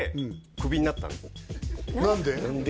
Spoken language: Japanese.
何で？